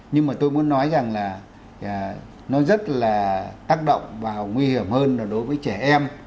nhưng mà tôi muốn nói rằng là nó rất là tác động và nguy hiểm hơn là đối với trẻ em